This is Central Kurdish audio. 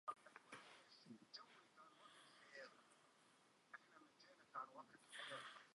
ژنەکەی تاتار و زۆر لای دەوڵەت بەقەدر بوو